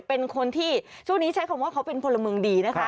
เป็นคนที่ช่วงนี้ใช้คำว่าเขาเป็นพลเมืองดีนะคะ